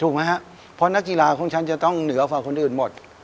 ครับเพราะนักกีฬาของฉันจะต้องเหนือกว่าคนอื่นหมด